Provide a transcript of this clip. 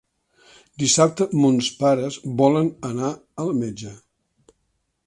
Dissabte mons pares volen anar al metge.